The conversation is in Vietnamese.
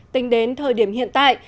tính đến thời điểm hiện tại